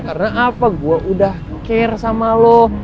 karena apa gua udah care sama lo